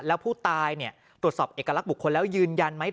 แล้วผู้ตายตรวจสอบเอกลักษณ์บุคคลแล้วยืนยันไหม